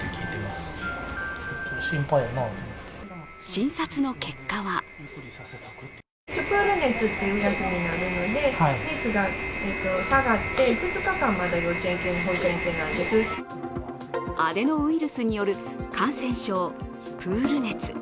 診察の結果はアデノウイルスによる感染症プール熱。